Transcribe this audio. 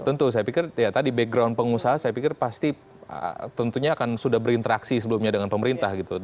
tentu saya pikir ya tadi background pengusaha saya pikir pasti tentunya akan sudah berinteraksi sebelumnya dengan pemerintah gitu